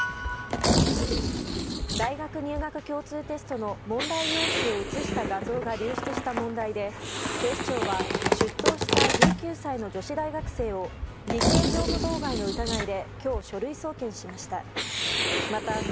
大学入学共通テストの問題用紙を写した画像が流出した問題で、警視庁は出頭した１９歳の女子大学生を偽計業務妨害の疑いで今日、書類送検しました。